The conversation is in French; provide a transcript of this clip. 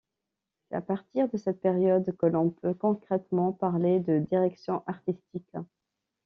C'est à partir de cette période que l'on peut concrètement parler de direction artistique.